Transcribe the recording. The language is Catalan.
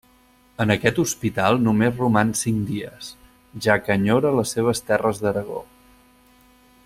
En aquest hospital només roman cinc dies, ja que enyora les seves terres d'Aragó.